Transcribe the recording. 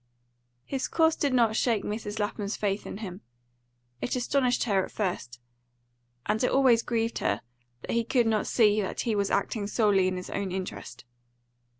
His course did not shake Mrs. Lapham's faith in him. It astonished her at first, and it always grieved her that he could not see that he was acting solely in his own interest.